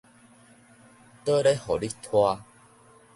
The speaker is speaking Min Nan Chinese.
倒咧予你拖